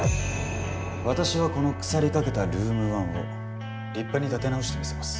私はこの腐りかけたルーム１を立派に立て直してみせます。